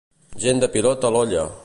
Gent de pilota a l'olla.